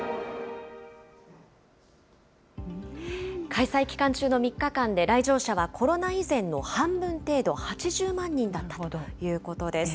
開催期間中の３日間で来場者はコロナ以前の半分程度、８０万人だったということです。